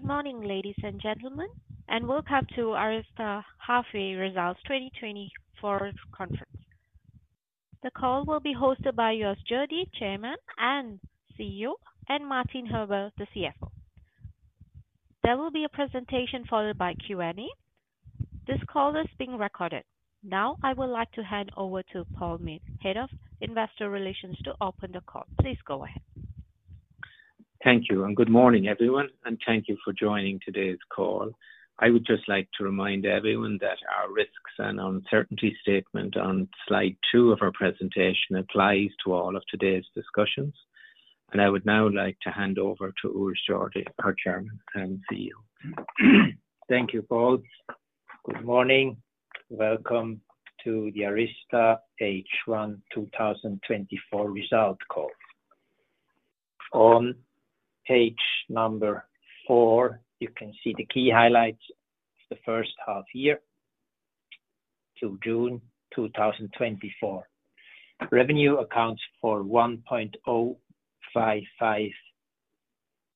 Good morning, ladies and gentlemen, and welcome to ARYZTA half-year results 2024 conference. The call will be hosted by Urs Jordi, Chairman and CEO, and Martin Huber, the CFO. There will be a presentation followed by Q&A. This call is being recorded. Now, I would like to hand over to Paul Meade, Head of Investor Relations, to open the call. Please go ahead. Thank you, and good morning, everyone, and thank you for joining today's call. I would just like to remind everyone that our risks and uncertainty statement on slide two of our presentation applies to all of today's discussions. I would now like to hand over to Urs Jordi, our Chairman and CEO. Thank you, Paul. Good morning. Welcome to the ARYZTA H1 2024 results call. On page number four, you can see the key highlights of the first half year to June 2024. Revenue accounts for 1.055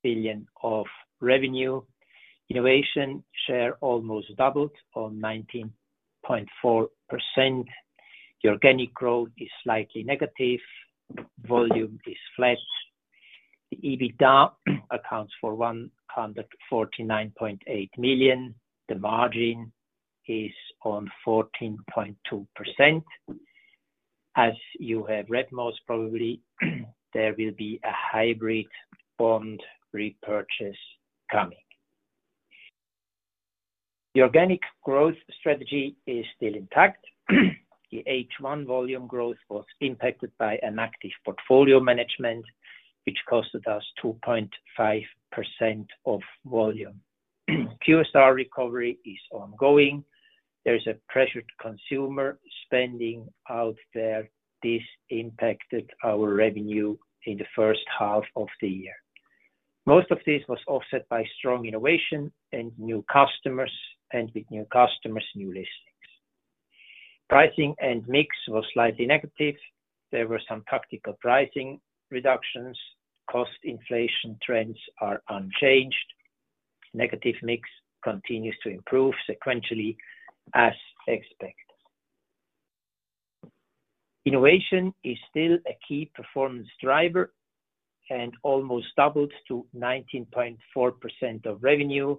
billion of revenue. Innovation share almost doubled on 19.4%. The organic growth is slightly negative, volume is flat. The EBITDA accounts for 149.8 million. The margin is on 14.2%. As you have read, most probably, there will be a hybrid bond repurchase coming. The organic growth strategy is still intact. The H1 volume growth was impacted by an active portfolio management, which costed us 2.5% of volume. QSR recovery is ongoing. There is a pressured consumer spending out there. This impacted our revenue in the first half of the year. Most of this was offset by strong innovation and new customers, and with new customers, new listings. Pricing and mix was slightly negative. There were some tactical pricing reductions. Cost inflation trends are unchanged. Negative mix continues to improve sequentially as expected. Innovation is still a key performance driver and almost doubled to 19.4% of revenue,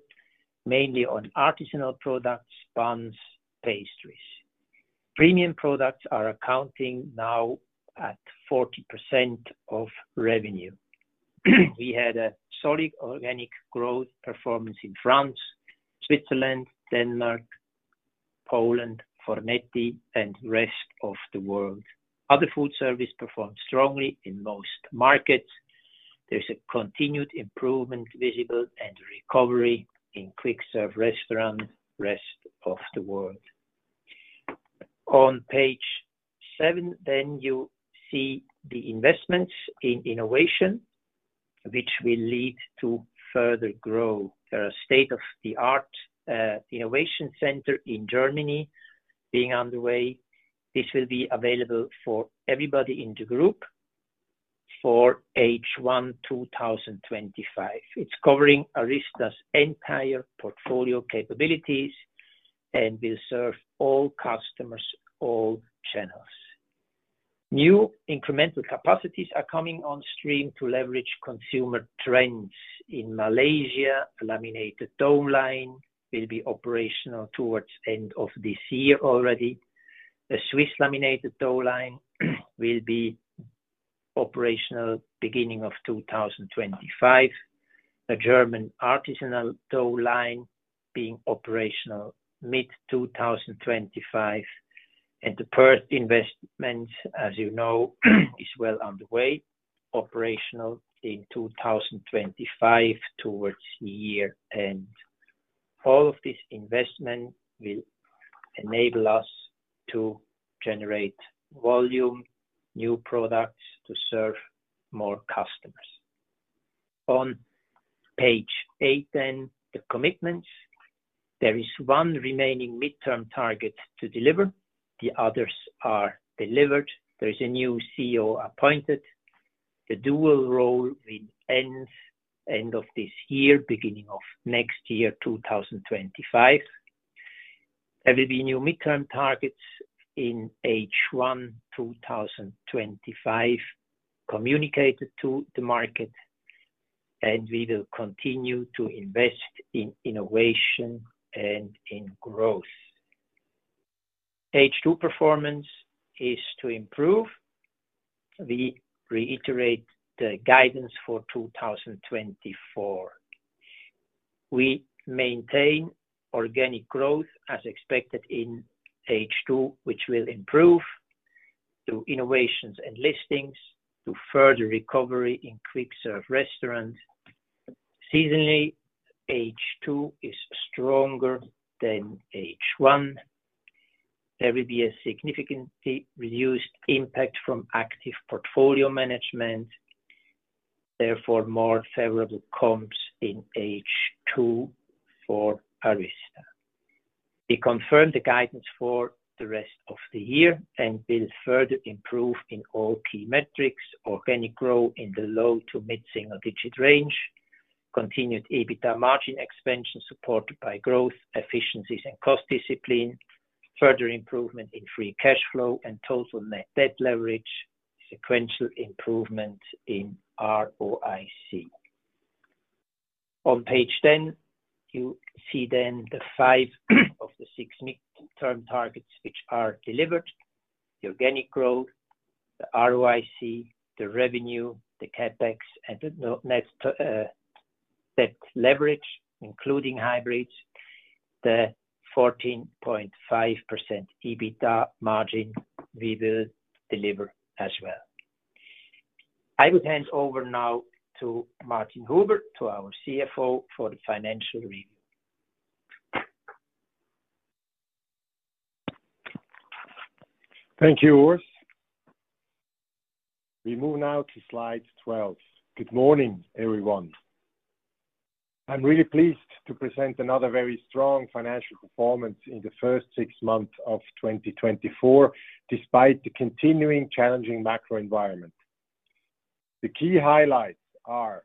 mainly on artisanal products, buns, pastries. Premium products are accounting now at 40% of revenue. We had a solid organic growth performance in France, Switzerland, Denmark, Poland, Fornetti, and rest of the world. Other food service performed strongly in most markets. There's a continued improvement visible and recovery in quick service restaurant, rest of the world. On page 7, then you see the investments in innovation, which will lead to further growth. There are state-of-the-art innovation center in Germany being on the way. This will be available for everybody in the group for H1 2025. It's covering ARYZTA's entire portfolio capabilities and will serve all customers, all channels. New incremental capacities are coming on stream to leverage consumer trends. In Malaysia, a laminated dough line will be operational towards end of this year already. A Swiss laminated dough line will be operational beginning of 2025. A German artisanal dough line being operational mid-2025, and the Perth investment, as you know, is well underway, operational in 2025, towards the year end. All of this investment will enable us to generate volume, new products to serve more customers. On page 8, then, the commitments. There is one remaining midterm target to deliver. The others are delivered. There is a new CEO appointed. The dual role will end of this year, beginning of next year, 2025. There will be new midterm targets in H1 2025, communicated to the market, and we will continue to invest in innovation and in growth. H2 performance is to improve. We reiterate the guidance for 2024. We maintain organic growth as expected in H2, which will improve through innovations and listings to further recovery in quick service restaurants. Seasonally, H2 is stronger than H1. There will be a significantly reduced impact from active portfolio management, therefore, more favorable comps in H2 for ARYZTA. We confirm the guidance for the rest of the year and will further improve in all key metrics. Organic growth in the low to mid-single digit range, continued EBITDA margin expansion, supported by growth, efficiencies, and cost discipline, further improvement in free cash flow and total net debt leverage, sequential improvement in ROIC. On page 10, you see then the five of the six midterm targets, which are delivered: the organic growth, the ROIC, the revenue, the CapEx, and the no net debt leverage, including hybrids. The 14.5% EBITDA margin, we will deliver as well. I would hand over now to Martin Huber, to our CFO, for the financial review. Thank you, Urs. We move now to slide 12. Good morning, everyone. I'm really pleased to present another very strong financial performance in the first six months of 2024, despite the continuing challenging macro environment. The key highlights are: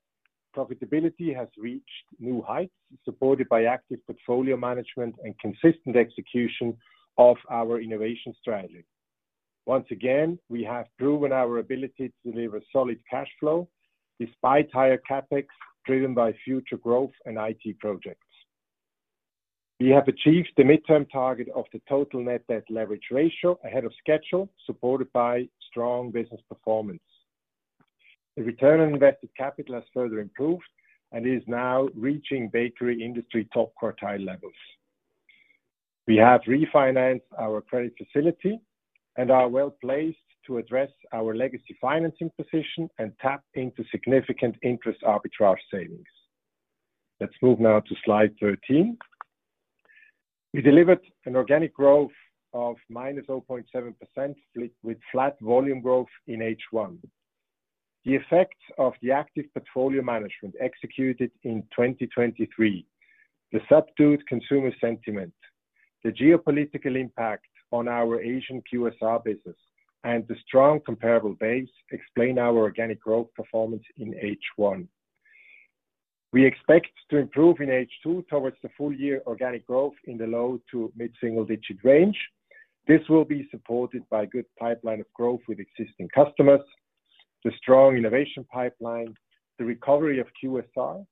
profitability has reached new heights, supported by Active Portfolio Management and consistent execution of our innovation strategy. Once again, we have proven our ability to deliver solid cash flow despite higher CapEx, driven by future growth and IT projects. We have achieved the midterm target of the total net debt leverage ratio ahead of schedule, supported by strong business performance. The return on invested capital has further improved and is now reaching bakery industry top quartile levels. We have refinanced our credit facility and are well-placed to address our legacy financing position and tap into significant interest arbitrage savings. Let's move now to slide 13. We delivered an organic growth of -0.7%, with flat volume growth in H1. The effects of the active portfolio management executed in 2023, the subdued consumer sentiment, the geopolitical impact on our Asian QSR business, and the strong comparable base explain our organic growth performance in H1. We expect to improve in H2 towards the full year organic growth in the low to mid-single digit range. This will be supported by a good pipeline of growth with existing customers, the strong innovation pipeline, the recovery of QSR,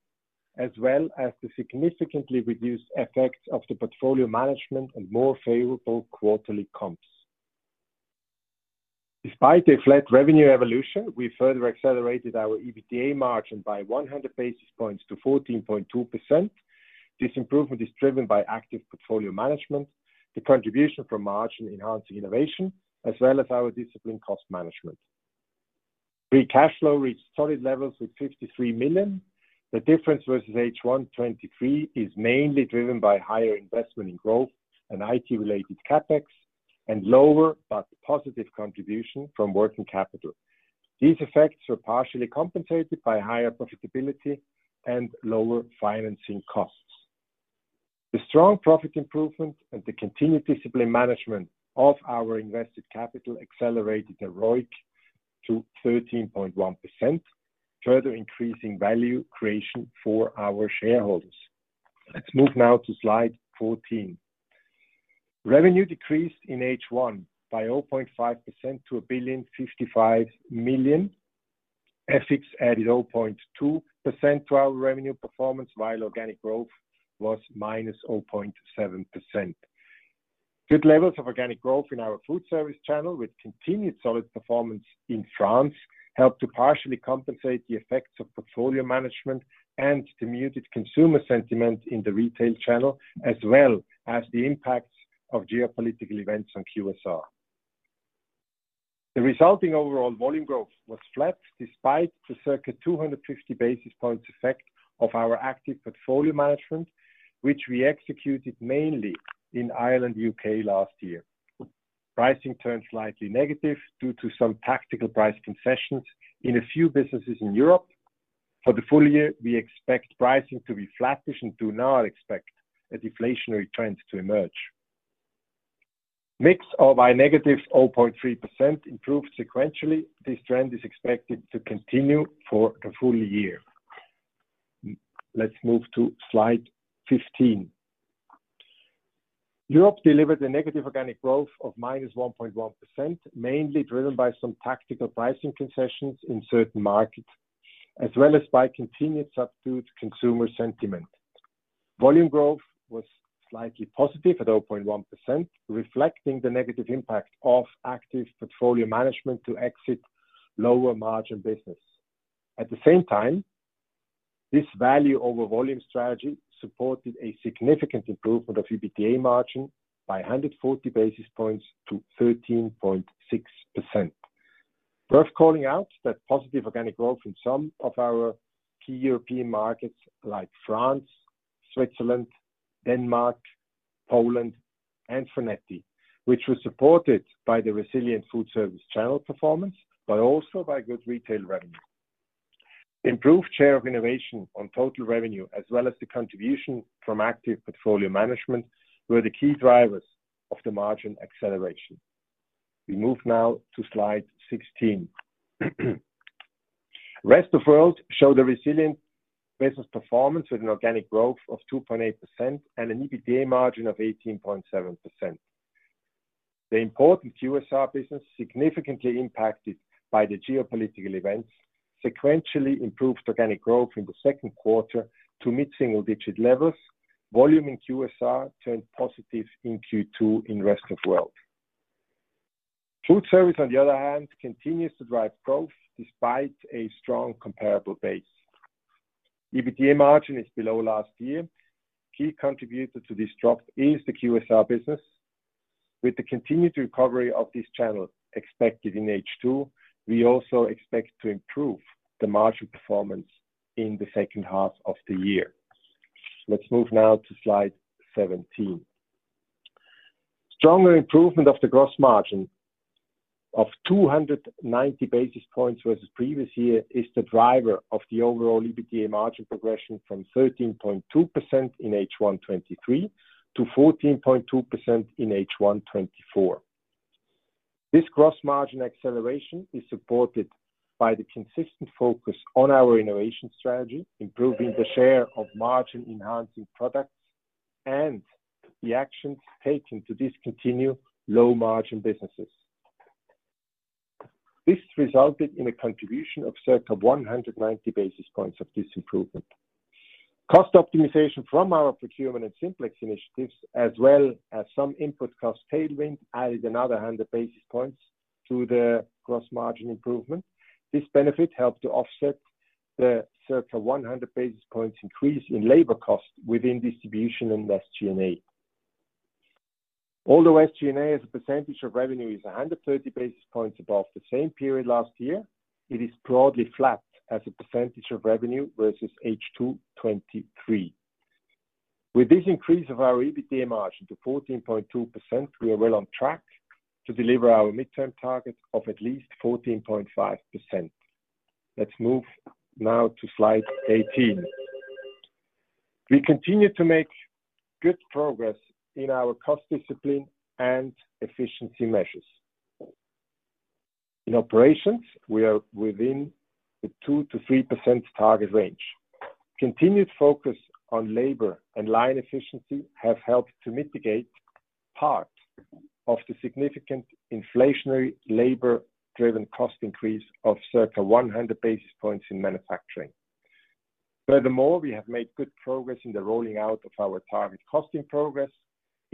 as well as the significantly reduced effects of the portfolio management and more favorable quarterly comps. Despite a flat revenue evolution, we further accelerated our EBITDA margin by 100 basis points to 14.2%. This improvement is driven by active portfolio management, the contribution from margin-enhancing innovation, as well as our disciplined cost management. Free cash flow reached solid levels with 53 million. The difference versus H1 2023 is mainly driven by higher investment in growth and IT-related CapEx, and lower but positive contribution from working capital. These effects are partially compensated by higher profitability and lower financing costs. The strong profit improvement and the continued disciplined management of our invested capital accelerated the ROIC to 13.1%, further increasing value creation for our shareholders. Let's move now to slide 14. Revenue decreased in H1 by 0.5% to 1,055 million. FX added 0.2% to our revenue performance, while organic growth was -0.7%. Good levels of organic growth in our food service channel, with continued solid performance in France, helped to partially compensate the effects of portfolio management and the muted consumer sentiment in the retail channel, as well as the impacts of geopolitical events on QSR. The resulting overall volume growth was flat, despite the circa 250 basis points effect of our active portfolio management, which we executed mainly in Ireland and U.K. last year. Pricing turned slightly negative due to some tactical price concessions in a few businesses in Europe. For the full year, we expect pricing to be flattish and do not expect a deflationary trend to emerge. Mix of a negative 0.3% improved sequentially. This trend is expected to continue for the full year. Let's move to slide 15. Europe delivered a negative organic growth of -1.1%, mainly driven by some tactical pricing concessions in certain markets, as well as by continued subdued consumer sentiment. Volume growth was slightly positive at 0.1%, reflecting the negative impact of active portfolio management to exit lower margin business. At the same time, this value over volume strategy supported a significant improvement of EBITDA margin by 140 basis points to 13.6%. Worth calling out that positive organic growth in some of our key European markets like France, Switzerland, Denmark, Poland, and Fornetti, which was supported by the resilient food service channel performance, but also by good retail revenue.... Improved share of innovation on total revenue, as well as the contribution from active portfolio management, were the key drivers of the margin acceleration. We move now to slide 16. Rest of World showed a resilient business performance with an organic growth of 2.8% and an EBITDA margin of 18.7%. The important QSR business, significantly impacted by the geopolitical events, sequentially improved organic growth in the second quarter to mid-single digit levels. Volume in QSR turned positive in Q2 in Rest of World. Foodservice, on the other hand, continues to drive growth despite a strong comparable base. EBITDA margin is below last year. Key contributor to this drop is the QSR business. With the continued recovery of this channel expected in H2, we also expect to improve the margin performance in the second half of the year. Let's move now to slide 17. Stronger improvement of the gross margin of 290 basis points versus previous year is the driver of the overall EBITDA margin progression from 13.2% in H1 2023 to 14.2% in H1 2024. This gross margin acceleration is supported by the consistent focus on our innovation strategy, improving the share of margin-enhancing products, and the actions taken to discontinue low-margin businesses. This resulted in a contribution of circa 190 basis points of this improvement. Cost optimization from our procurement and Simplex initiatives, as well as some input cost tailwind, added another 100 basis points to the gross margin improvement. This benefit helped to offset the circa 100 basis points increase in labor cost within distribution and SG&A. Although SG&A, as a percentage of revenue, is 130 basis points above the same period last year, it is broadly flat as a percentage of revenue versus H2 2023. With this increase of our EBITDA margin to 14.2%, we are well on track to deliver our midterm target of at least 14.5%. Let's move now to slide 18. We continue to make good progress in our cost discipline and efficiency measures. In operations, we are within the 2%-3% target range. Continued focus on labor and line efficiency have helped to mitigate part of the significant inflationary labor-driven cost increase of circa 100 basis points in manufacturing. Furthermore, we have made good progress in the rolling out of our target costing progress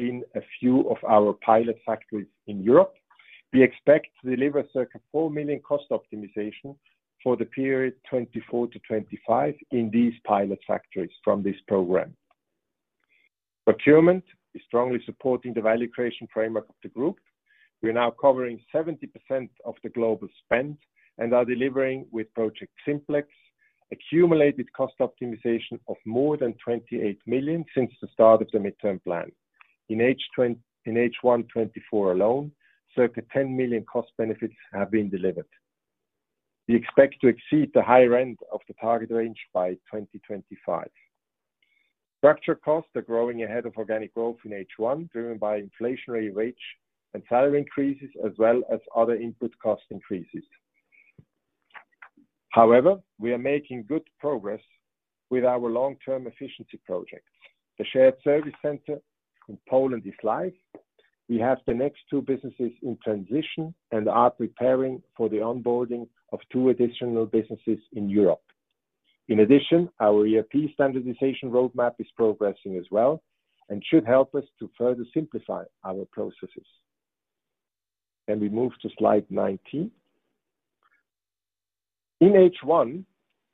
in a few of our pilot factories in Europe. We expect to deliver circa 4 million cost optimization for the period 2024 to 2025 in these pilot factories from this program. Procurement is strongly supporting the value creation framework of the group. We are now covering 70% of the global spend and are delivering with Project Simplex, accumulated cost optimization of more than 28 million since the start of the midterm plan. In H1 2024 alone, circa 10 million cost benefits have been delivered. We expect to exceed the higher end of the target range by 2025. Structural costs are growing ahead of organic growth in H1, driven by inflationary wage and salary increases, as well as other input cost increases. However, we are making good progress with our long-term efficiency project. The shared service center in Poland is live. We have the next two businesses in transition and are preparing for the onboarding of two additional businesses in Europe. In addition, our ERP standardization roadmap is progressing as well and should help us to further simplify our processes. Can we move to slide 19? In H1,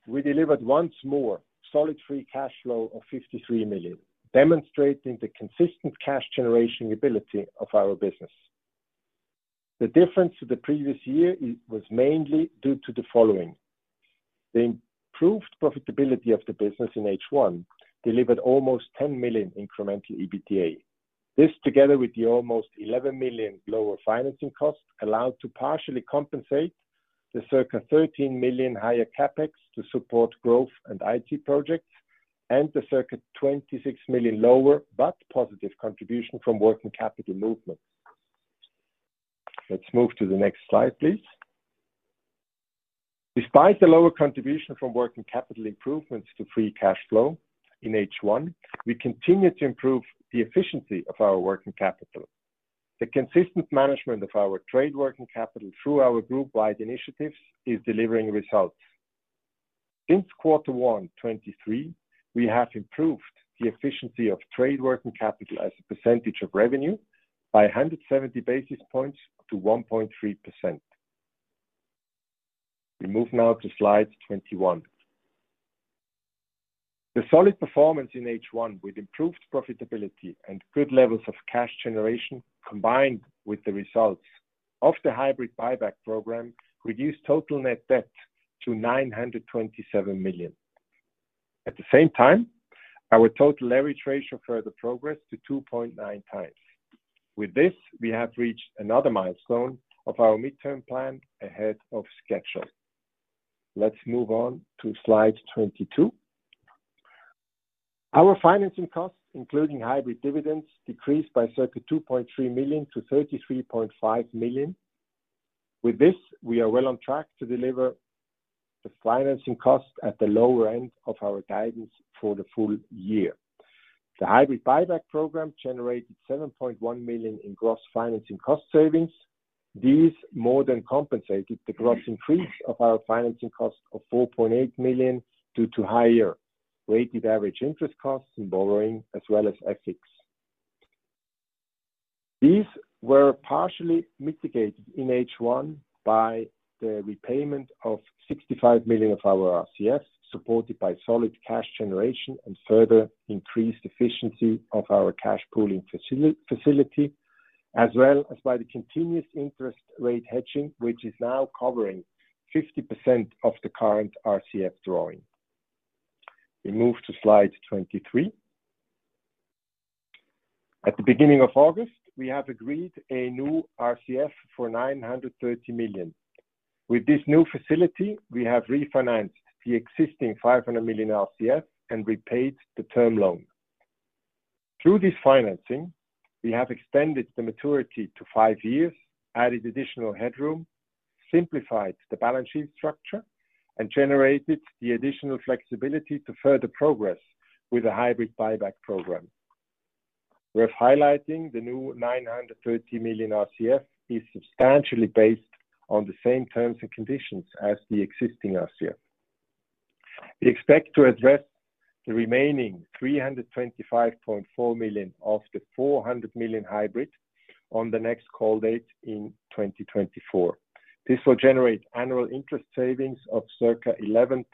we delivered once more solid free cash flow of 53 million, demonstrating the consistent cash generation ability of our business. The difference to the previous year is, was mainly due to the following: The improved profitability of the business in H1 delivered almost 10 million incremental EBITDA. This, together with the almost 11 million lower financing costs, allowed to partially compensate the circa 13 million higher CapEx to support growth and IT projects, and the circa 26 million lower, but positive contribution from working capital movement. Let's move to the next slide, please. Despite the lower contribution from working capital improvements to free cash flow in H1, we continue to improve the efficiency of our working capital. The consistent management of our trade working capital through our group-wide initiatives is delivering results. Since Q1 2023, we have improved the efficiency of trade working capital as a percentage of revenue by 170 basis points to 1.3%. We move now to slide 21. The solid performance in H1, with improved profitability and good levels of cash generation, combined with the results of the hybrid buyback program, reduced total net debt to 927 million. At the same time, our total leverage ratio further progressed to 2.9 times. With this, we have reached another milestone of our midterm plan ahead of schedule. Let's move on to slide 22. Our financing costs, including hybrid dividends, decreased by circa 2.3 million to 33.5 million. With this, we are well on track to deliver the financing cost at the lower end of our guidance for the full year. The hybrid buyback program generated 7.1 million in gross financing cost savings. These more than compensated the gross increase of our financing cost of 4.8 million, due to higher weighted average interest costs in borrowing as well as FX. These were partially mitigated in H1 by the repayment of 65 million of our RCF, supported by solid cash generation and further increased efficiency of our cash pooling facility, as well as by the continuous interest rate hedging, which is now covering 50% of the current RCF drawing. We move to slide 23. At the beginning of August, we have agreed a new RCF for 930 million. With this new facility, we have refinanced the existing 500 million RCF and repaid the term loan. Through this financing, we have extended the maturity to five years, added additional headroom, simplified the balance sheet structure, and generated the additional flexibility to further progress with a hybrid buyback program. Worth highlighting, the new 930 million RCF is substantially based on the same terms and conditions as the existing RCF. We expect to address the remaining 325.4 million of the 400 million hybrid on the next call date in 2024. This will generate annual interest savings of circa 11.5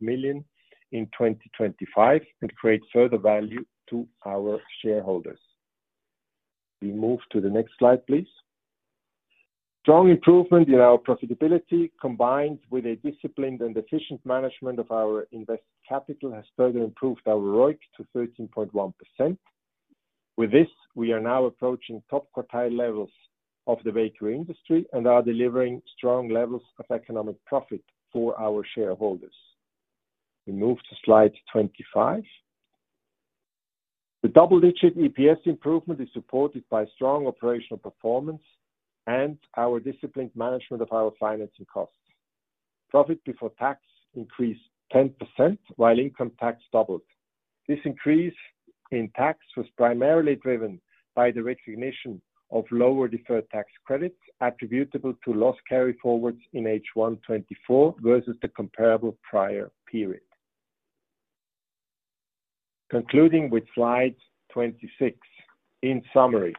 million in 2025 and create further value to our shareholders. We move to the next slide, please. Strong improvement in our profitability, combined with a disciplined and efficient management of our invested capital, has further improved our ROIC to 13.1%. With this, we are now approaching top quartile levels of the bakery industry and are delivering strong levels of economic profit for our shareholders. We move to slide 25. The double-digit EPS improvement is supported by strong operational performance and our disciplined management of our financing costs. Profit before tax increased 10%, while income tax doubled. This increase in tax was primarily driven by the recognition of lower deferred tax credits attributable to loss carryforwards in H1 2024 versus the comparable prior period. Concluding with slide 26. In summary,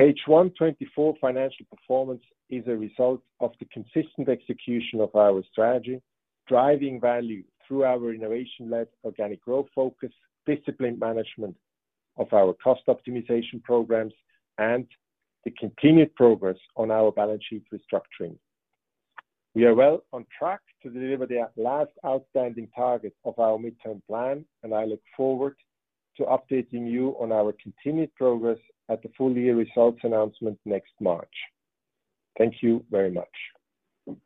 H1 2024 financial performance is a result of the consistent execution of our strategy, driving value through our innovation-led organic growth focus, disciplined management of our cost optimization programs, and the continued progress on our balance sheet restructuring. We are well on track to deliver the last outstanding target of our midterm plan, and I look forward to updating you on our continued progress at the full year results announcement next March. Thank you very much.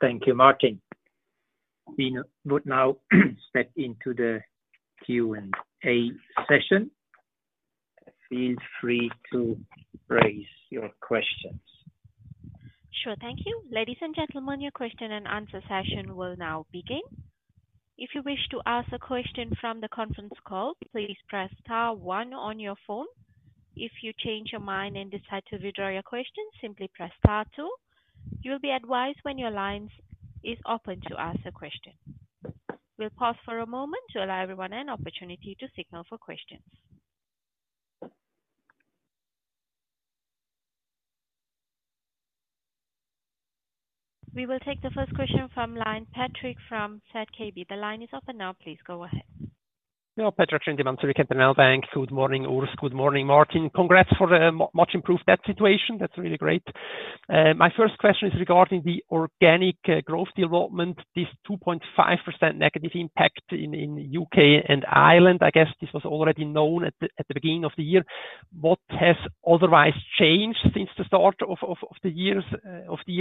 Thank you, Martin. We will now step into the Q&A session. Feel free to raise your questions. Sure. Thank you. Ladies and gentlemen, your question and answer session will now begin. If you wish to ask a question from the conference call, please press star one on your phone. If you change your mind and decide to withdraw your question, simply press star two. You will be advised when your line is open to ask a question. We'll pause for a moment to allow everyone an opportunity to signal for questions. We will take the first question from line, Patrik from ZKB. The line is open now. Please go ahead. Yeah, Patrik Schwendimann, ZKB. Good morning, Urs. Good morning, Martin. Congrats for the much improved debt situation. That's really great. My first question is regarding the organic growth development, this 2.5 negative impact in U.K. and Ireland. I guess this was already known at the beginning of the year. What has otherwise changed since the start of the year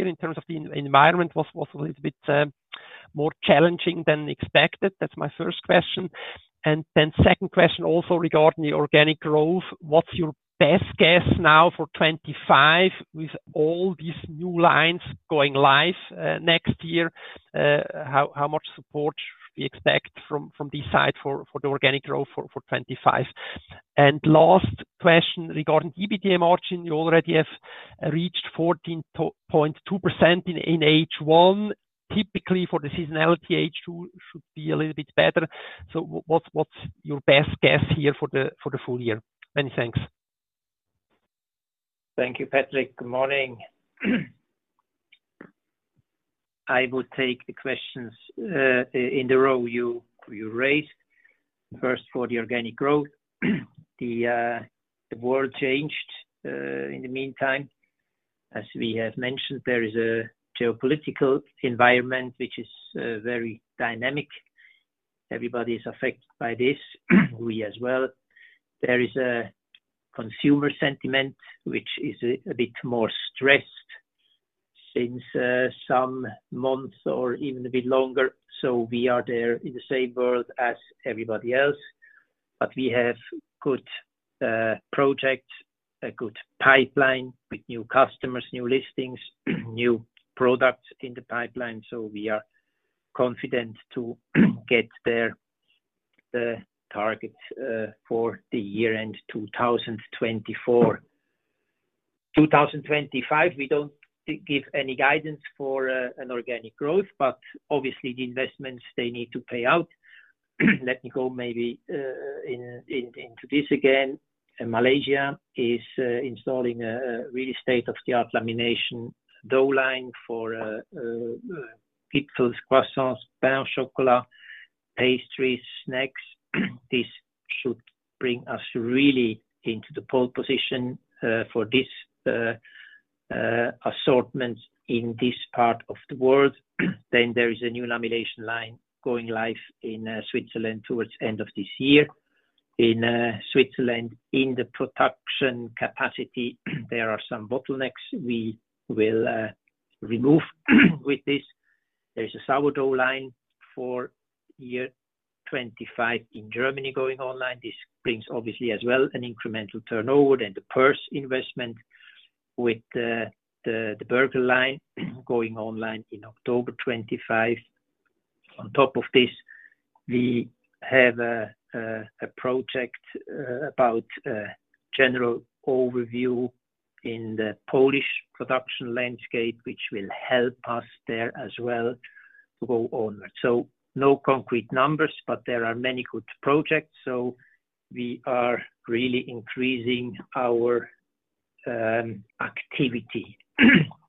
in terms of the environment was a little bit more challenging than expected? That's my first question. Second question, also regarding the organic growth. What's your best guess now for 2025, with all these new lines going live next year, how much support we expect from this side for the organic growth for 2025? And last question regarding EBITDA margin. You already have reached 14.2% in H1. Typically, for the seasonality, H2 should be a little bit better. So what's your best guess here for the full year? Many thanks. Thank you, Patrik. Good morning. I will take the questions in the order you raised. First, for the organic growth, the world changed in the meantime. As we have mentioned, there is a geopolitical environment which is very dynamic. Everybody is affected by this, we as well. There is a consumer sentiment, which is a bit more stressed since some months or even a bit longer. So we are there in the same world as everybody else, but we have good projects, a good pipeline with new customers, new listings, new products in the pipeline, so we are confident to get the targets for the year end 2024. 2025, we don't give any guidance for an organic growth, but obviously the investments they need to pay out. Let me go maybe into this again. Malaysia is installing a really state-of-the-art laminated dough line for pretzels, croissants, pain au chocolat, pastries, snacks. This should bring us really into the pole position for this assortment in this part of the world. Then there is a new lamination line going live in Switzerland towards end of this year. In Switzerland, in the production capacity, there are some bottlenecks we will remove with this. There is a sourdough line for 2025 in Germany going online. This brings obviously as well an incremental turnover and the Perth investment with the burger line going online in October 2025. On top of this, we have a project about general overview in the Polish production landscape, which will help us there as well to go onward. So no concrete numbers, but there are many good projects, so we are really increasing our activity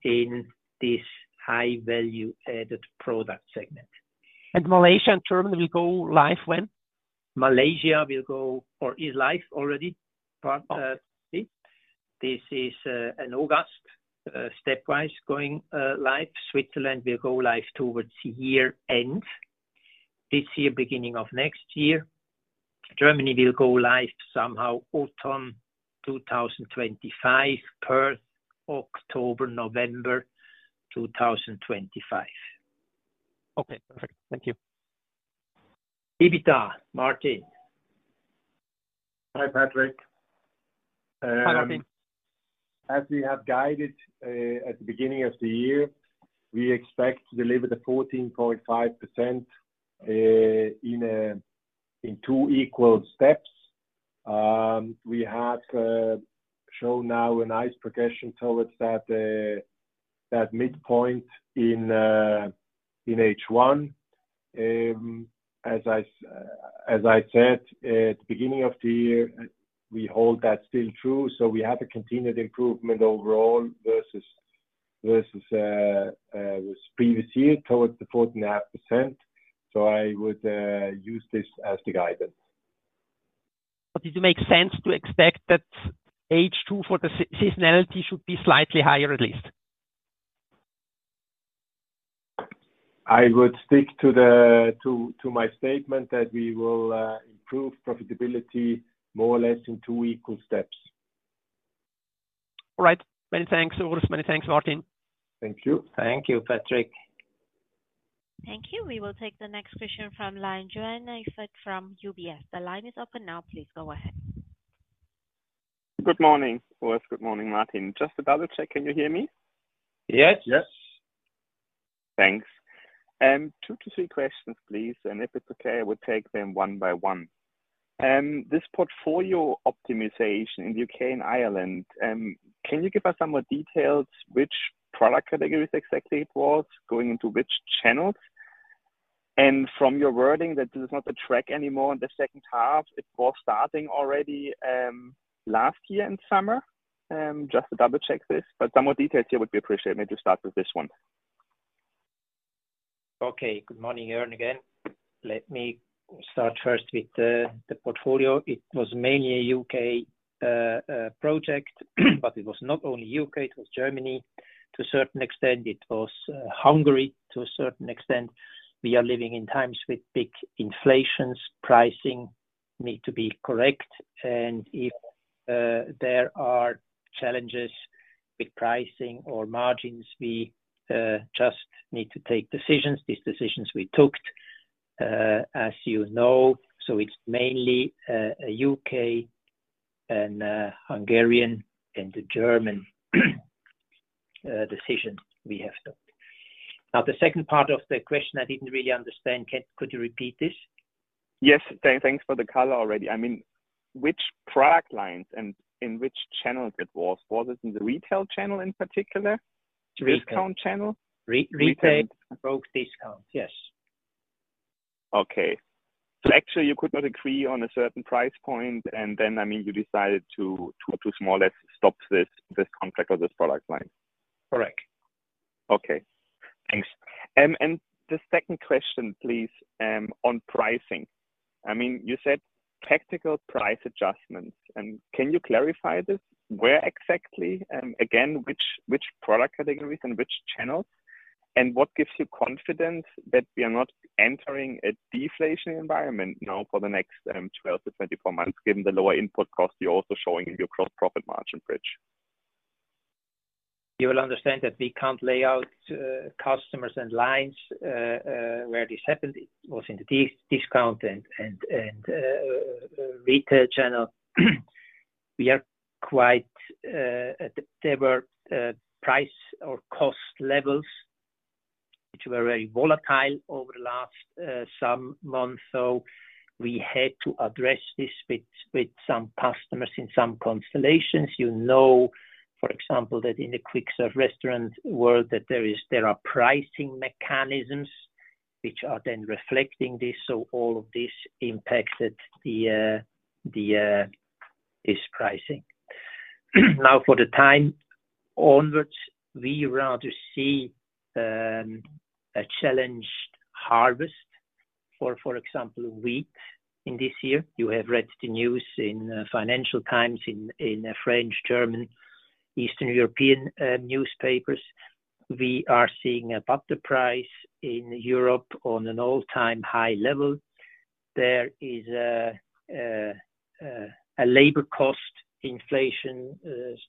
in this high value added product segment. Malaysia and Germany will go live when? Malaysia will go or is live already. Perth, this is in August, stepwise going live. Switzerland will go live towards the year end. This year, beginning of next year, Germany will go live somehow autumn 2025, Perth, October, November 2025. Okay, perfect. Thank you. EBITDA, Martin. Hi, Patrik. Hi, Martin. As we have guided at the beginning of the year, we expect to deliver the 14.5% in two equal steps. We have shown now a nice progression towards that midpoint in H1. As I said at the beginning of the year, we hold that still true, so we have a continued improvement overall versus this previous year towards the 14.5%. So I would use this as the guidance. Does it make sense to expect that H2 for the seasonality should be slightly higher, at least? I would stick to my statement that we will improve profitability more or less in two equal steps. All right. Many thanks, Urs. Many thanks, Martin. Thank you. Thank you, Patrik. Thank you. We will take the next question from line, Joern Iffert from UBS. The line is open now, please go ahead. Good morning, Urs. Good morning, Martin. Just to double-check, can you hear me? Yes. Yes. Thanks. 2-3 questions, please, and if it's okay, I would take them one by one. This portfolio optimization in U.K. and Ireland, can you give us some more details, which product categories exactly it was, going into which channels? And from your wording, that this is not a track anymore in the second half, it was starting already, last year in summer. Just to double-check this, but some more details here would be appreciated. Maybe start with this one. Okay. Good morning, Joern again. Let me start first with the portfolio. It was mainly a U.K. project, but it was not only U.K., it was Germany, to a certain extent, it was Hungary, to a certain extent. We are living in times with big inflations. Pricing need to be correct, and if there are challenges with pricing or margins, we just need to take decisions. These decisions we took, as you know, so it's mainly U.K. and Hungarian, and the German decision we have took. Now, the second part of the question, I didn't really understand. Could you repeat this? Yes. Thanks for the color already. I mean, which product lines and in which channels it was? Was it in the retail channel in particular? Retail. Discount channel? Retail, both discount, yes. Okay. So actually, you could not agree on a certain price point, and then, I mean, you decided to more or less stop this contract or this product line? Correct.... Okay, thanks. And the second question, please, on pricing. I mean, you said tactical price adjustments, and can you clarify this? Where exactly, again, which, which product categories and which channels, and what gives you confidence that we are not entering a deflation environment now for the next 12-24 months, given the lower input cost you're also showing in your gross profit margin bridge? You will understand that we can't lay out customers and lines where this happened. It was in the discount and retail channel. We are quite there were price or cost levels which were very volatile over the last some months, so we had to address this with some customers in some constellations. You know, for example, that in the quick service restaurant world, there are pricing mechanisms which are then reflecting this, so all of this impacted the this pricing. Now, for the time onwards, we rather see a challenged harvest for example wheat in this year. You have read the news in Financial Times, in French, German, Eastern European newspapers. We are seeing a butter price in Europe on an all-time high level. There is labor cost inflation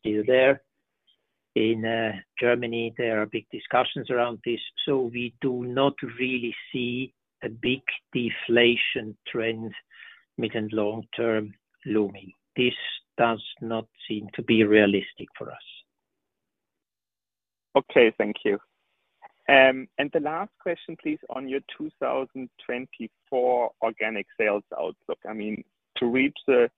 still there. In Germany, there are big discussions around this, so we do not really see a big deflation trend, mid and long term looming. This does not seem to be realistic for us. Okay, thank you. And the last question, please, on your 2024 organic sales outlook. I mean, to reach the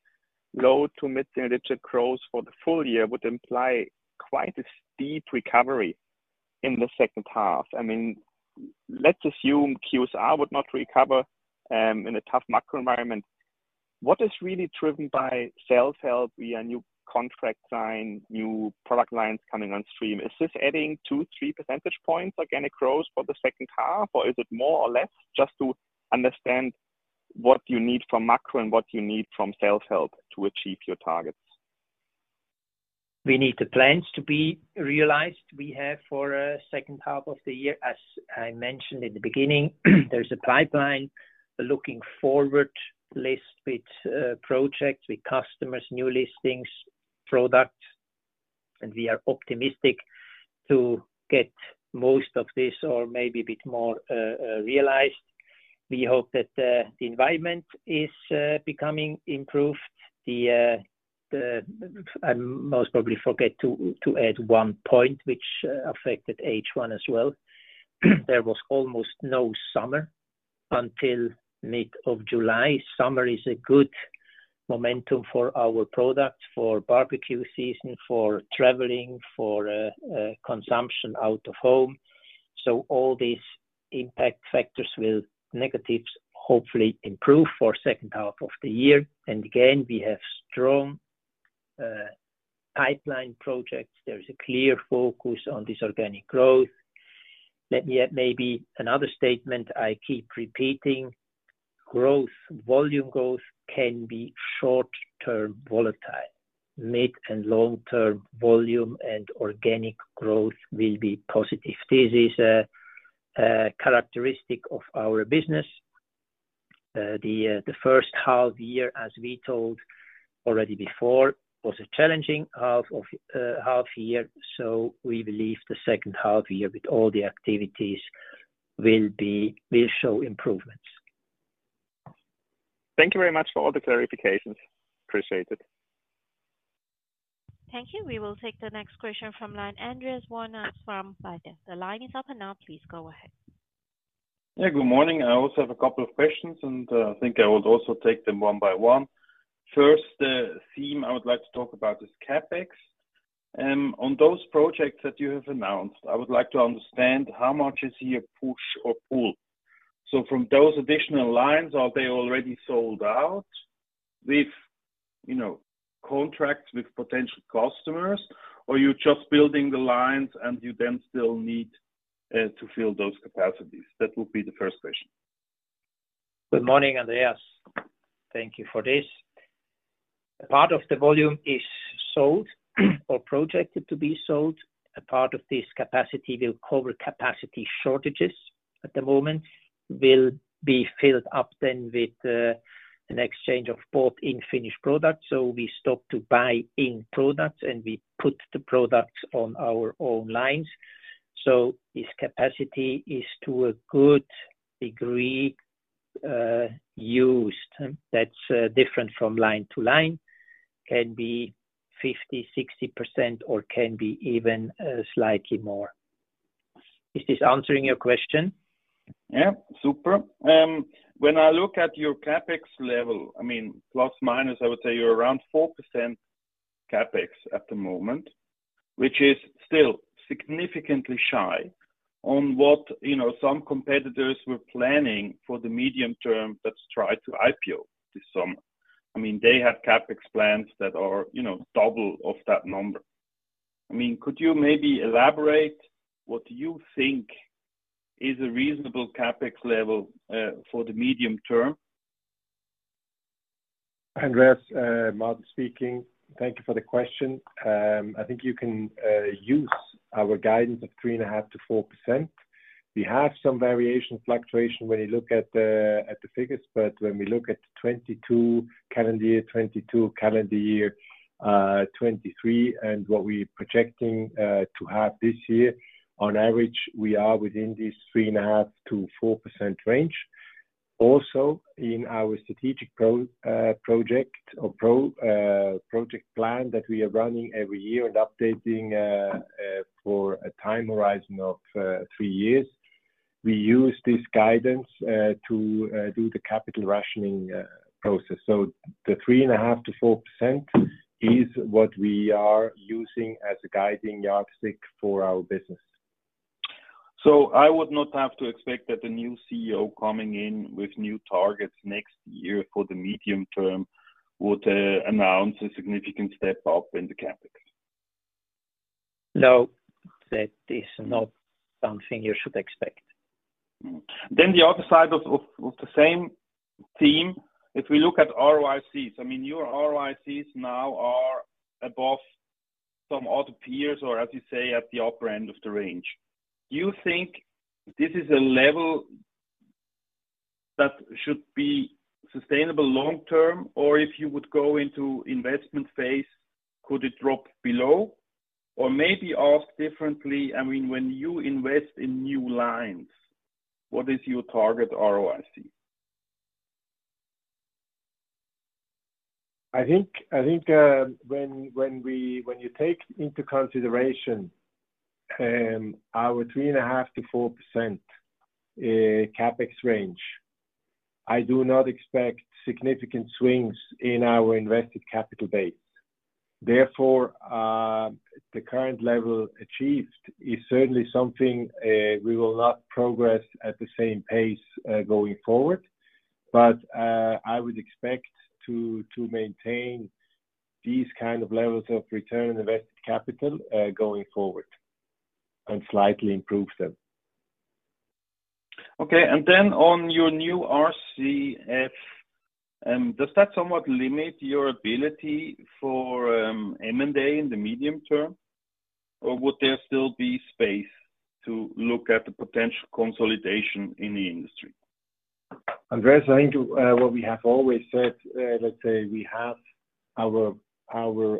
low- to mid-single-digit growth for the full year would imply quite a steep recovery in the second half. I mean, let's assume QSR would not recover, in a tough macro environment. What is really driven by sales health via new contract sign, new product lines coming on stream? Is this adding 2-3 percentage points organic growth for the second half, or is it more or less? Just to understand what you need from macro and what you need from sales health to achieve your targets. We need the plans to be realized. We have for a second half of the year, as I mentioned in the beginning, there's a pipeline, looking forward list with, projects, with customers, new listings, products, and we are optimistic to get most of this or maybe a bit more, realized. We hope that, the environment is, becoming improved. I most probably forget to add one point, which affected H1 as well. There was almost no summer until mid of July. Summer is a good momentum for our products, for barbecue season, for traveling, for, consumption out of home. So all these impact factors will, negatives, hopefully improve for second half of the year. And again, we have strong pipeline projects. There is a clear focus on this organic growth. Let me add maybe another statement I keep repeating: Growth, volume growth can be short-term volatile. Mid and long-term volume and organic growth will be positive. This is a characteristic of our business. The first half year, as we told already before, was a challenging half year, so we believe the second half year, with all the activities, will be, will show improvements. Thank you very much for all the clarifications. Appreciate it. Thank you. We will take the next question from line, Andreas von Arx from Baader. The line is open now. Please go ahead. Yeah, good morning. I also have a couple of questions, and I think I will also take them one by one. First, the theme I would like to talk about is CapEx. On those projects that you have announced, I would like to understand how much is here, push or pull. So from those additional lines, are they already sold out with, you know, contracts with potential customers, or you're just building the lines and you then still need to fill those capacities? That would be the first question. Good morning, Andreas. Thank you for this. Part of the volume is sold or projected to be sold. A part of this capacity will cover capacity shortages at the moment, will be filled up then with an exchange of both in finished products. So we stop to buy in products, and we put the products on our own lines. So this capacity is to a good degree used. That's different from line to line, can be 50, 60%, or can be even slightly more. Is this answering your question? Yeah. Super. When I look at your CapEx level, I mean, plus, minus, I would say you're around 4% CapEx at the moment, which is still significantly shy on what, you know, some competitors were planning for the medium term that's tried to IPO this summer. I mean, they have CapEx plans that are, you know, double of that number. I mean, could you maybe elaborate what you think is a reasonable CapEx level for the medium term? Andreas, Martin speaking. Thank you for the question. I think you can use our guidance of 3.5%-4%. We have some variation, fluctuation when you look at the figures, but when we look at 2022, calendar year 2022, calendar year 2023, and what we're projecting to have this year, on average, we are within this 3.5%-4% range. Also, in our strategic project plan that we are running every year and updating for a time horizon of three years, we use this guidance to do the capital rationing process. So the 3.5%-4% is what we are using as a guiding yardstick for our business. So I would not have to expect that the new CEO coming in with new targets next year for the medium term would announce a significant step up in the CapEx? No, that is not something you should expect. Mm. Then the other side of the same theme, if we look at ROICs, I mean, your ROICs now are above some other peers, or as you say, at the upper end of the range. Do you think this is a level that should be sustainable long term, or if you would go into investment phase, could it drop below? Or maybe ask differently, I mean, when you invest in new lines, what is your target ROIC? I think when you take into consideration our 3.5%-4% CapEx range, I do not expect significant swings in our invested capital base. Therefore, the current level achieved is certainly something we will not progress at the same pace going forward, but I would expect to maintain these kind of levels of return on invested capital going forward, and slightly improve them. Okay, and then on your new RCF, does that somewhat limit your ability for M&A in the medium term, or would there still be space to look at the potential consolidation in the industry? Andreas, I think what we have always said, let's say our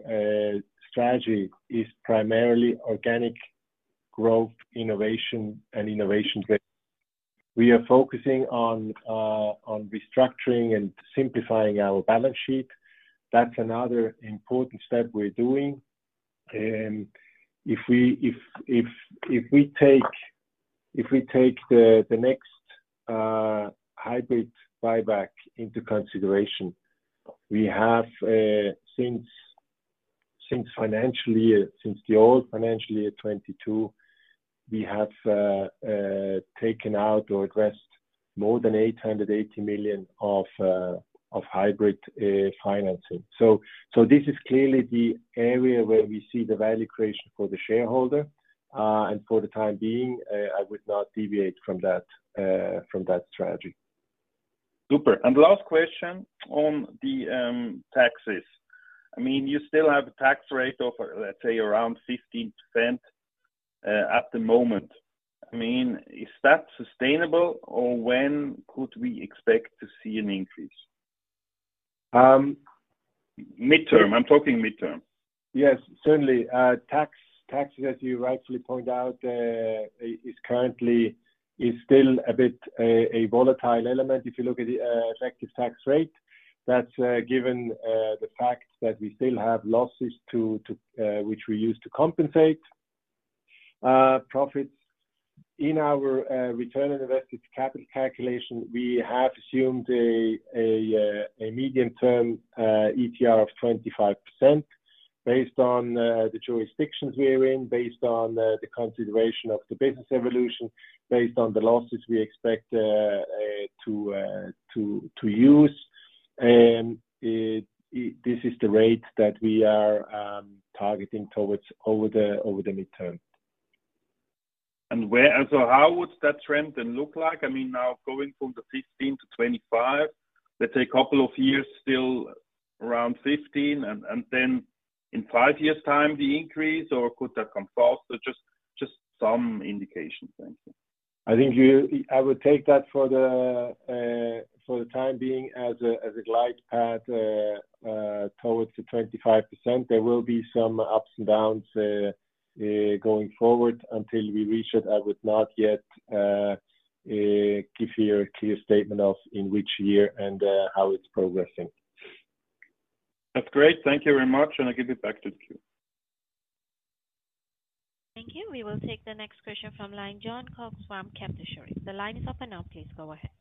strategy is primarily organic growth, innovation, and innovation. We are focusing on restructuring and simplifying our balance sheet. That's another important step we're doing. If we take the next hybrid buyback into consideration, we have since the old financial year 2022 taken out or addressed more than 880 million of hybrid financing. So this is clearly the area where we see the value creation for the shareholder, and for the time being I would not deviate from that strategy. Super. And last question on the taxes. I mean, you still have a tax rate of, let's say, around 15%, at the moment. I mean, is that sustainable, or when could we expect to see an increase? Midterm, I'm talking midterm. Yes, certainly. Tax, as you rightfully point out, is currently still a bit, a volatile element. If you look at the effective tax rate, that's given the fact that we still have losses to which we use to compensate profits. In our return on invested capital calculation, we have assumed a medium-term ETR of 25%, based on the jurisdictions we are in, based on the consideration of the business evolution, based on the losses we expect to use. This is the rate that we are targeting towards over the midterm. So how would that trend then look like? I mean, now, going from the 15 to 25, let's say a couple of years, still around 15, and then in 5 years' time, the increase, or could that come faster? Just some indication. Thank you. I think I would take that for the, for the time being as a, as a glide path, towards the 25%. There will be some ups and downs, going forward. Until we reach it, I would not yet, give you a clear statement of in which year and, how it's progressing. That's great. Thank you very much, and I give it back to you. Thank you. We will take the next question from line, Jon Cox from Kepler Cheuvreux. The line is open now. Please go ahead.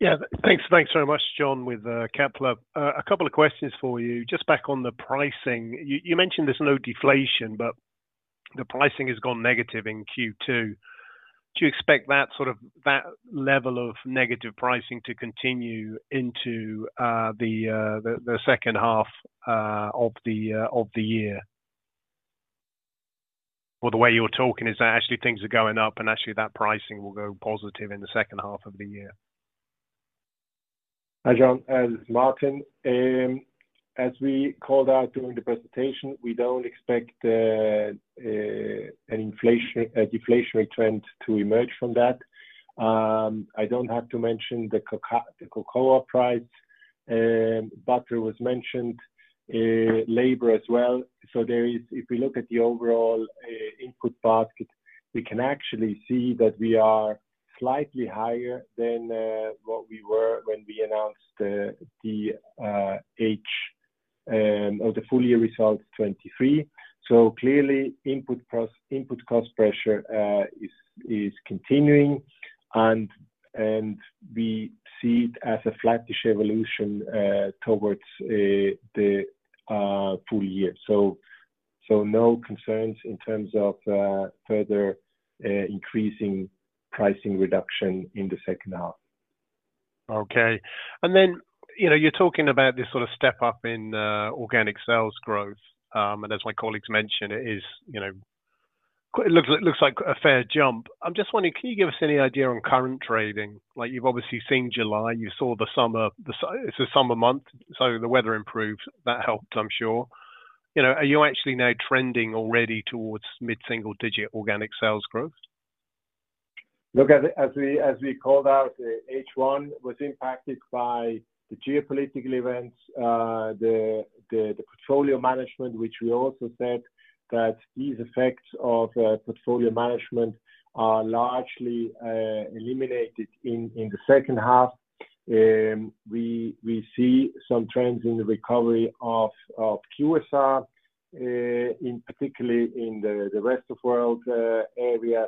Yeah, thanks. Thanks very much, Jon with Kepler. A couple of questions for you. Just back on the pricing, you, you mentioned there's no deflation, but-... The pricing has gone negative in Q2. Do you expect that sort of, that level of negative pricing to continue into the second half of the year? Or the way you're talking is that actually things are going up, and actually that pricing will go positive in the second half of the year. Hi, Jon, Martin. As we called out during the presentation, we don't expect a deflationary trend to emerge from that. I don't have to mention the cocoa price, butter was mentioned, labor as well. So there is. If we look at the overall input basket, we can actually see that we are slightly higher than what we were when we announced the H or the full year results 2023. So clearly, input cost pressure is continuing and we see it as a flattish evolution towards the full year. So no concerns in terms of further increasing pricing reduction in the second half. Okay. And then, you know, you're talking about this sort of step up in organic sales growth. And as my colleagues mentioned, it is, you know, it looks like a fair jump. I'm just wondering, can you give us any idea on current trading? Like, you've obviously seen July, you saw the summer; it's a summer month, so the weather improved. That helped, I'm sure. You know, are you actually now trending already towards mid-single digit organic sales growth? Look, as we called out, H1 was impacted by the geopolitical events, the portfolio management, which we also said that these effects of portfolio management are largely eliminated in the second half. We see some trends in the recovery of QSR, particularly in the rest of world area.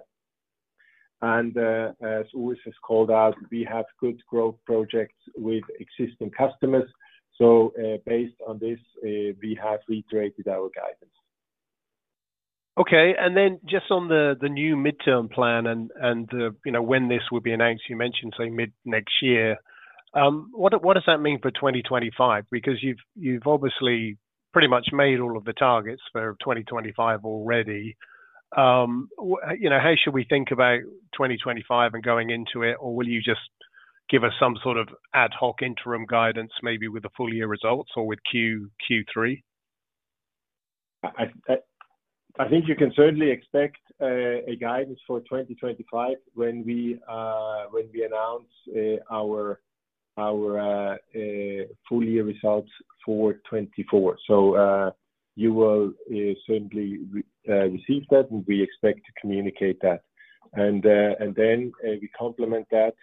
As always is called out, we have good growth projects with existing customers, so based on this, we have reiterated our guidance. Okay, and then just on the new midterm plan and, you know, when this will be announced, you mentioned saying mid-next year. What does that mean for 2025? Because you've obviously pretty much made all of the targets for 2025 already. You know, how should we think about 2025 and going into it? Or will you just give us some sort of ad hoc interim guidance, maybe with the full year results or with Q3? I think you can certainly expect guidance for 2025 when we announce our full year results for 2024. So, you will certainly receive that, and we expect to communicate that. And then, we complement that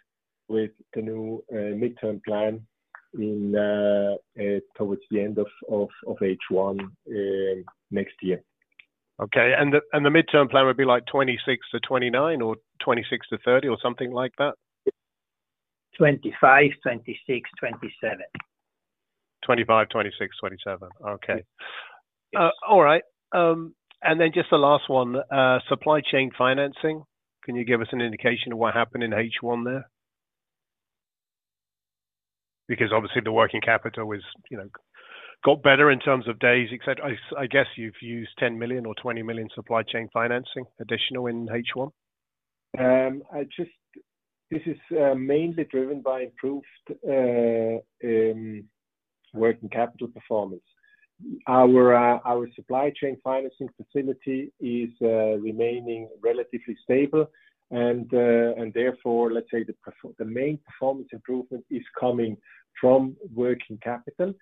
with the new midterm plan towards the end of H1 next year. Okay, and the midterm plan would be like 26-29 or 26-30, or something like that? 25, 26, 27. 25, 26, 27. Okay. All right. And then just the last one, supply chain financing. Can you give us an indication of what happened in H1 there? Because obviously, the working capital is, you know, got better in terms of days, et cetera. I guess you've used 10 million or 20 million supply chain financing, additional in H1. This is mainly driven by improved working capital performance. Our supply chain financing facility is remaining relatively stable, and therefore, let's say the main performance improvement is coming from working capital.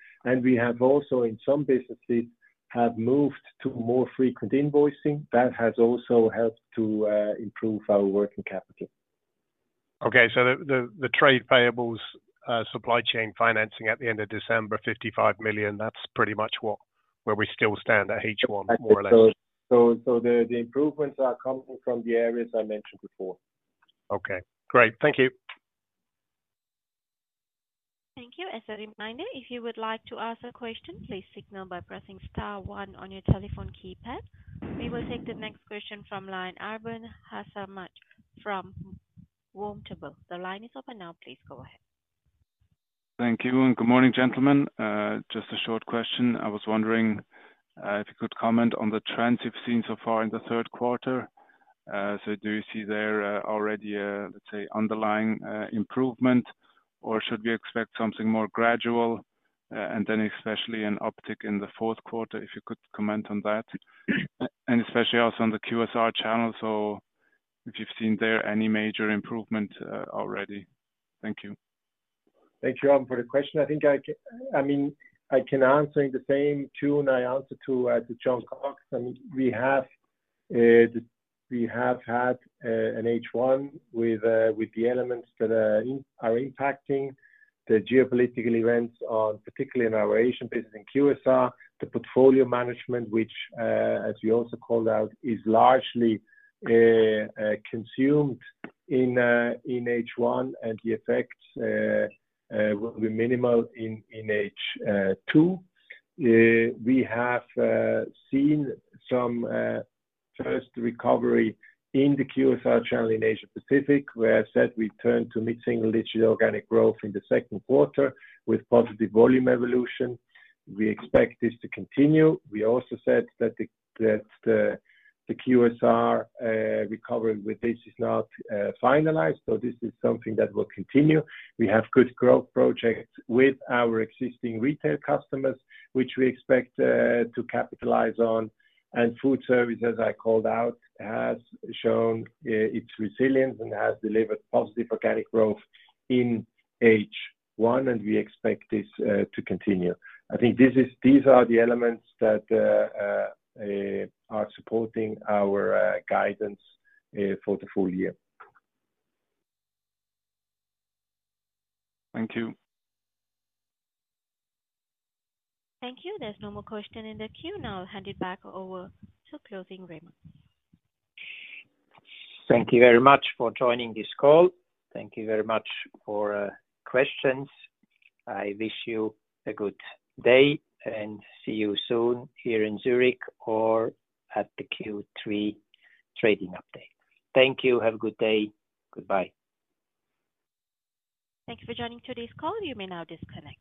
We have also, in some businesses, have moved to more frequent invoicing. That has also helped to improve our working capital. Okay, so the trade payables, supply chain financing at the end of December, 55 million, that's pretty much what, where we still stand at H1, more or less. So, the improvements are coming from the areas I mentioned before. Okay, great. Thank you. Thank you. As a reminder, if you would like to ask a question, please signal by pressing star one on your telephone keypad. We will take the next question from line, Arben Hasanaj from Vontobel. The line is open now. Please go ahead. Thank you, and good morning, gentlemen. Just a short question. I was wondering if you could comment on the trends you've seen so far in the third quarter. So do you see there already a, let's say, underlying improvement, or should we expect something more gradual, and then especially an uptick in the fourth quarter, if you could comment on that? And especially also on the QSR channel. So if you've seen there any major improvement already. Thank you. Thank you, Arben, for the question. I think I mean, I can answer in the same vein I answered to Jon Cox. I mean, we have had an H1 with the elements that are impacting the geopolitical events on, particularly in our Asian business in QSR, the portfolio management, which, as we also called out, is largely consumed in H1, and the effects will be minimal in H2. We have seen some first recovery in the QSR channel in Asia Pacific, where I said we turned to mid-single digit organic growth in the second quarter with positive volume evolution. We expect this to continue. We also said that the QSR recovery with this is not finalized, so this is something that will continue. We have good growth projects with our existing retail customers, which we expect to capitalize on, and food service, as I called out, has shown its resilience and has delivered positive organic growth in H1, and we expect this to continue. I think these are the elements that are supporting our guidance for the full year. Thank you. Thank you. There's no more question in the queue. Now I'll hand it back over to closing remarks. Thank you very much for joining this call. Thank you very much for questions. I wish you a good day, and see you soon here in Zurich or at the Q3 trading update. Thank you. Have a good day. Goodbye. Thank you for joining today's call. You may now disconnect.